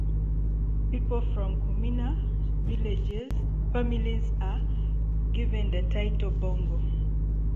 People from Kumina families are given the title "Bongo".